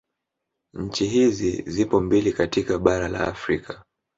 Nchi hizi zipo mbili katika bara la Afrika